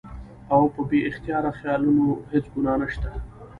او پۀ بې اختياره خيالونو هېڅ ګناه نشته